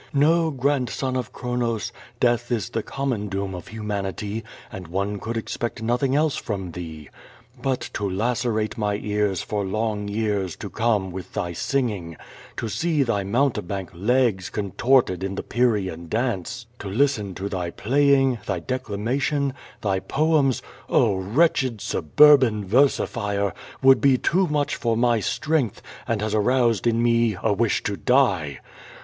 No, grandson of Chronos, death is the common doom of humanity, and one could expect noth ing else from thee. But, to lacerate my ears for long years to come with thy singing, to see thy mountebank legs contorted in the Pyrrhean dance, to listen to thy playing, thy declama tion, thy poems, oh, wretched Suburban versifier, would be too much for my strength, and has aroused in me a wish to die.